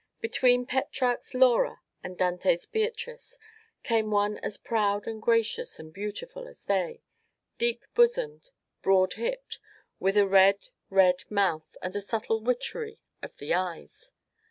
Between Petrarch's Laura and Dante's Beatrice came one as proud and gracious and beautiful as they, deep bosomed, broad hipped, with a red, red mouth, and a subtle witchery of the eyes.